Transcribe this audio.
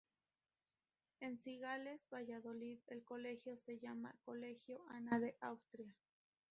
En Cigales, Valladolid, el colegio se llama Colegio Ana de Austria.